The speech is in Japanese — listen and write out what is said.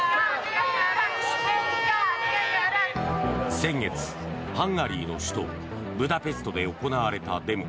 先月、ハンガリーの首都ブダペストで行われたデモ。